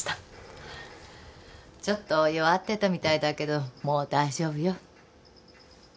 ちょっと弱ってたみたいだけどもう大丈夫よ。